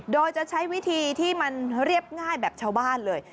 โดยจะใช้วิธีที่มันเรียบง่ายแบบชาวบ้านเลย